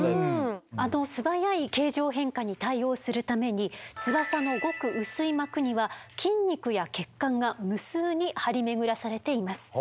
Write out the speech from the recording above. あの素早い形状変化に対応するために翼のごく薄い膜には筋肉や血管が無数に張り巡らされています。